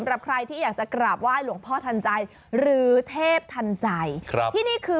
ได้ยินเถียงเนี่ยร้อนตื่นเต้นแม่